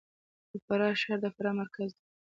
د فراه ښار د فراه مرکز دی